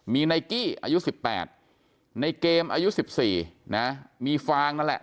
มีไนกี้อายุ๑๘ในเกมอายุ๑๔นะมีฟางนั่นแหละ